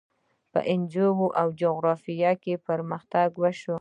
په نجوم او جغرافیه کې پرمختګ وشو.